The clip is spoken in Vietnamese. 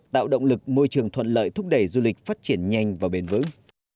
tạo động lực môi trường thuận lợi thúc đẩy du lịch phát triển nhanh và bền vững